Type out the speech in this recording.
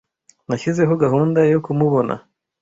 Nashyizeho gahunda yo kumubona